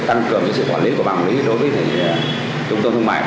tăng cường với sự quản lý của bảng lý đối với trung tâm thương mại